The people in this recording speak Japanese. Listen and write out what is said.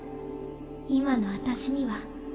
今の私にはもう。